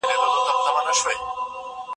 علم او پوهه د هرې ستونزې حل دی.